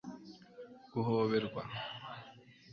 guhoberwa